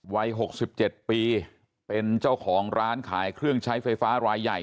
วัย๖๗ปีเป็นเจ้าของร้านขายเครื่องใช้ไฟฟ้ารายใหญ่